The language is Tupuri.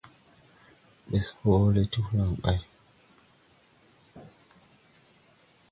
Ɓɛs hɔɔle ti holaŋ ɓay.